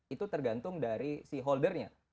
itu tergantung dari si holdernya